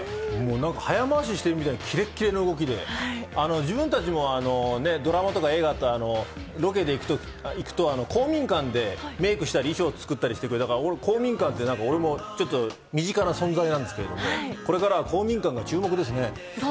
早回ししてるようなキレキレの動きで自分たちもドラマや映画でロケで行くと公民館でメイクしたり衣装作ったりするので、公民館って俺も身近な存在なんですけど、これからは公民館が注目ですね。